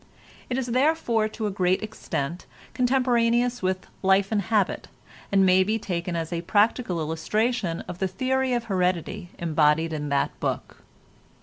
It is therefore, to a great extent, contemporaneous with "Life and Habit," and may be taken as a practical illustration of the theory of heredity embodied in that book.